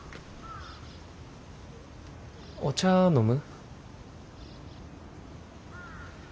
お茶飲む？